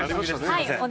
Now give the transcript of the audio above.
すみません。